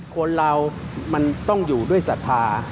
คนเรามันต้องอยู่ด้วยศรัทธา